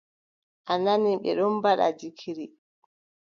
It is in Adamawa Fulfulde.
A nani, ɓe ɗon mbaɗa jikiri.